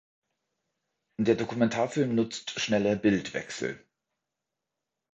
Der Dokumentarfilm nutzt schnelle Bildwechsel.